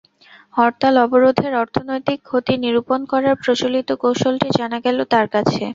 হরতাল-অবরোধের অর্থনৈতিক ক্ষতি নিরূপণ করার প্রচলিত কৌশলটি জানা গেল তাঁর কাছে।